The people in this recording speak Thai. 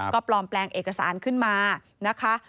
ก็ปลอมแปลงเอกสารขึ้นมานะคะ